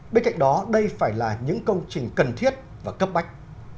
bên cạnh đó đây phải là những công trình cần thiết và cấp bách